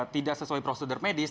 tidak sesuai prosedur medis